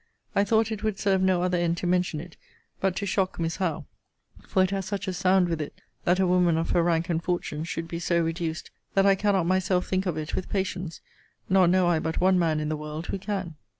I thought it would serve no other end to mention it, but to shock Miss Howe: for it has such a sound with it, that a woman of her rank and fortune should be so reduced, that I cannot myself think of it with patience; nor know I but one man in the world who can.